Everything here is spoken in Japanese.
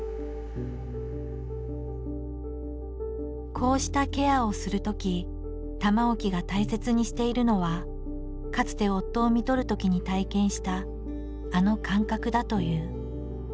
こうしたケアをするとき玉置が大切しているのはかつて夫をみとるときに体験したあの感覚だという。